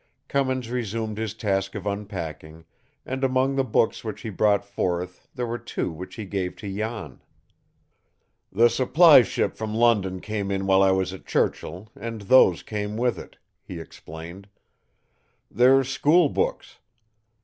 Cummins resumed his task of unpacking, and among the books which he brought forth there were two which he gave to Jan. "The supply ship from London came in while I was at Churchill, and those came with it," he explained. "They're school books.